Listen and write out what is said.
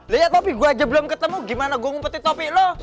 liat topi gua aja belum ketemu gimana gua ngumpetin topi lu